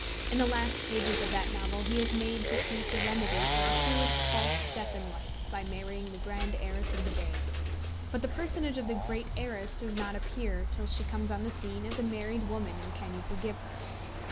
In the last pages of that novel he is made to seek a remedy for a foolish false step in life by marrying the grand heiress of the day; but the personage of the great heiress does not appear till she comes on the scene as a married woman in _Can You Forgive Her?